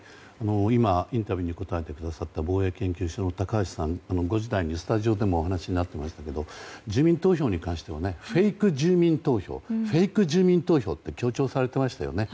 今、インタビューに答えてくださった防衛研究所の高橋さん５時台にスタジオでもお話しになってましたけど住民投票に関してはフェイク住民投票って強調されていましたよね。